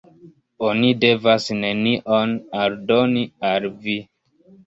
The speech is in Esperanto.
Oni devas nenion aldoni al vi.